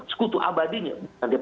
sekutu abadinya bukan dia